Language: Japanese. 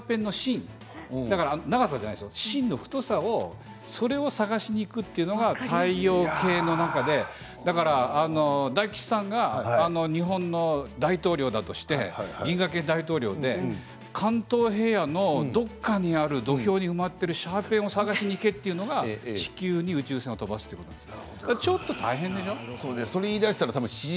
土俵に埋まっているシャーペンの芯それを探しに行くというのが太陽系の中で大吉さんが日本の大統領だとして銀河系の大統領で関東平野のどこかにある土俵に埋まっているシャーペンを探しに行けというのが地球に宇宙船を飛ばすということです。